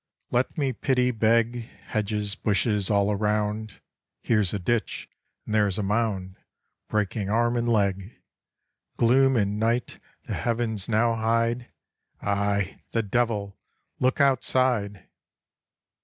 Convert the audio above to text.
Let me pity beg Hedges, bushes, all around, Here a ditch, and there a mound, Breaking arm and leg. Gloom and night the heavens now hide Ay, the devil! look outside!